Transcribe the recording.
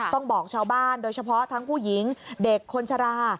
ต้องบอกชาวบ้านโดยเฉพาะทั้งผู้หญิงเด็กคนชรา